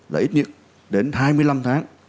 là ít nhất đến hai mươi năm tháng